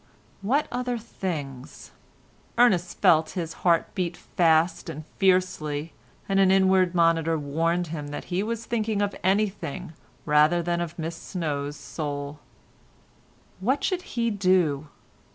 What other things? Ernest felt his heart beat fast and fiercely, and an inward monitor warned him that he was thinking of anything rather than of Miss Snow's soul. What should he do?